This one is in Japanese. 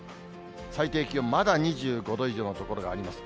最低気温、まだ２５度以上の所があります。